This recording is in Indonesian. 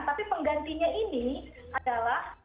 tapi penggantinya ini adalah